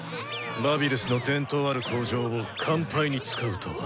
バビルスの伝統ある口上を乾杯に使うとは。